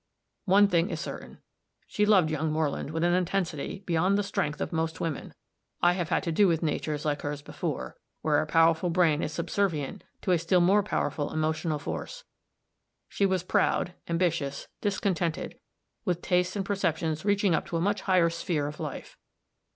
One thing is certain she loved young Moreland with an intensity beyond the strength of most women. I have had to do with natures like hers before where a powerful brain is subservient to a still more powerful emotional force. She was proud, ambitious, discontented, with tastes and perceptions reaching up into a much higher sphere of life.